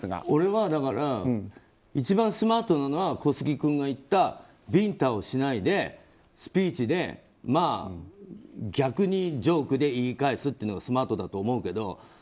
これは一番スマートなのは小杉君が言ったビンタをしないでスピーチで逆にジョークで言い返すというのがスマートだと思うけど。